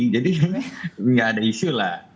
jadi nggak ada isu lah